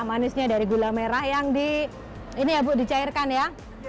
manisnya dari gula merah yang di ini ya bu dicairkan ya